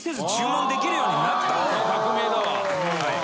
革命だわ。